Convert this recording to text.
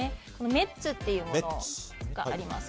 メッツというものがあります。